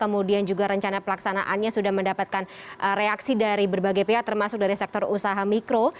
kemudian juga rencana pelaksanaannya sudah mendapatkan reaksi dari berbagai pihak termasuk dari sektor usaha mikro